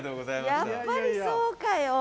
やっぱりそうかよ。